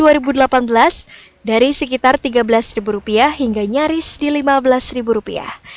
pemerintah berharap untuk memiliki kebijakan kebijakan yang lebih kecil dari sebelumnya